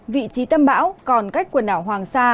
vị trí tâm bão còn cách quần đảo hoàng sa